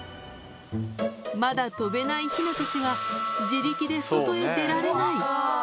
まだ飛べないひなたちは、自力で外へ出られない。